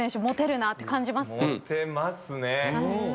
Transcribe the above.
モテるなって感じます？